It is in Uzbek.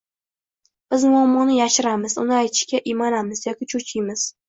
Biz muammoni yashiramiz, uni aytishga iymanamiz yoki cho‘chiymiz.